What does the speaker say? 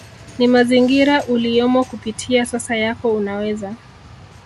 ni mazingira uliyomo Kupitia sasa yako unaweza